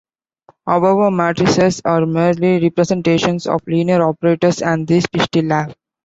However, matrices are merely representations of linear operators, and these we still have.